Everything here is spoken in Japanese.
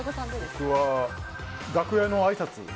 僕は楽屋のあいさつ。